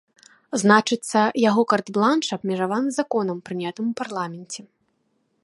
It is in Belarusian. Значыцца, яго карт-бланш абмежаваны законам, прынятым у парламенце.